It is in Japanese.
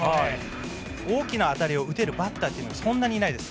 大きな当たりを打てるバッターはそんなにいないです。